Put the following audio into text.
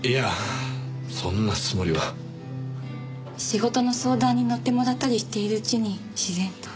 仕事の相談に乗ってもらったりしているうちに自然と。